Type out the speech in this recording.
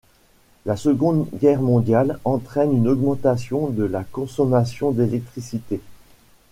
La Seconde Guerre mondiale entraîne une augmentation de la consommation d'électricité.